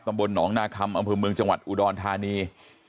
ตำบลหนองนาคมอำเภอเมืองจังหวัดอุดรธานี